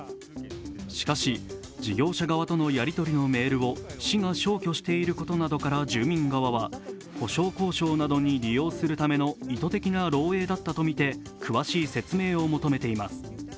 しかし、事業者側とのやりとりのメールを市が消去していることなどから住民側は補償交渉などに利用するための意図的な漏えいだったとみて詳しい説明を求めています。